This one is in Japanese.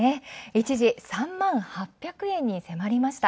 一時３万８００円に迫りました。